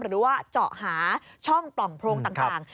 หรือว่าเจาะหาช่องปล่องโพรงต่าง